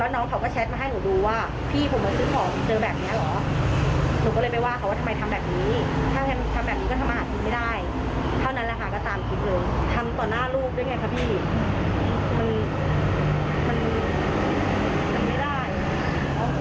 ที่หูจับไปปิดกรุ๊ปตัวไม่ได้รับการรักษาเลย